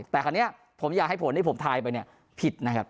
แต่คราวนี้ผมอยากให้ผลที่ผมทายไปเนี่ยผิดนะครับ